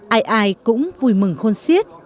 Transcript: ai ai cũng vui mừng khôn siết